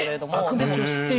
あくまきを知っている？